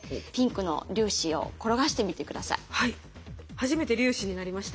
初めて粒子になりました。